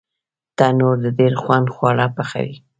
تنور د ډېر خوند خواړه پخوي